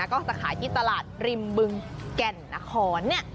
ก็จะขายที่ตลาดริมบึงแก่นนคร